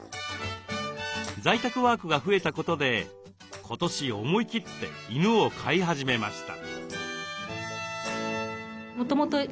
在宅ワークが増えたことで今年思い切って犬を飼い始めました。